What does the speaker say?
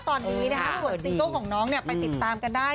ตอนนี้นะคะส่วนซิงเกิลของน้องไปติดตามกันได้